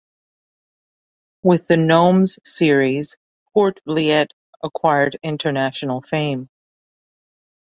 With the Gnomes series Poortvliet acquired international fame.